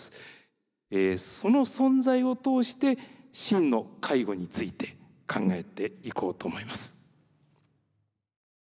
その存在を通して真の介護について考えていこうと思います。